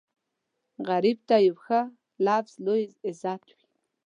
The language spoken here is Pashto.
غریب ته یو ښه لفظ لوی عزت وي